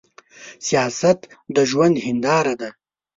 سياست د ژوند هينداره ده.